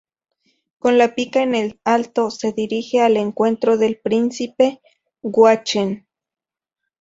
Con la pica en alto se dirige al encuentro del príncipe guanche.